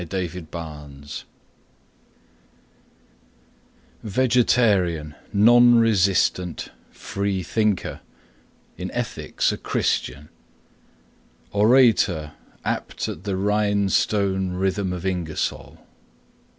Lloyd Garrison Standard Vegetarian, non resistant, free thinker, in ethics a Christian; Orator apt at the rhine stone rhythm of Ingersoll.